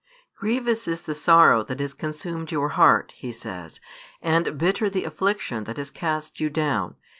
Grievous is the sorrow that has consumed your heart, He says, and bitter the affliction that has cast you down.